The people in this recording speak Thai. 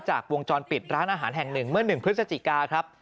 จากวงจรปิดร้านอาหารแห่งหนึ่งเมื่อหนึ่งเพศจกร